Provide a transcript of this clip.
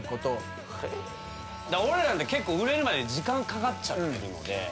俺ら結構売れるまで時間かかっちゃってるので。